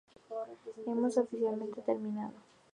Hemos oficialmente terminado.